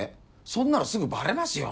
そんなのすぐバレますよ。